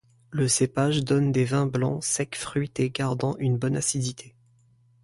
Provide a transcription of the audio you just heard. Le cépage donne des vins blanc sec fruité gardant une bonne acidité.